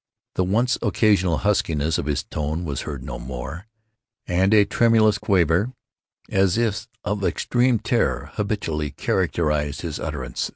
The once occasional huskiness of his tone was heard no more; and a tremulous quaver, as if of extreme terror, habitually characterized his utterance.